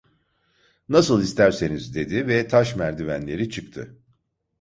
"Nasıl isterseniz!" dedi ve taş merdivenleri çıktı.